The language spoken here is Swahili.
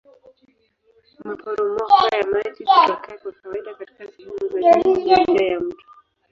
Maporomoko ya maji hutokea kwa kawaida katika sehemu za juu ya njia ya mto.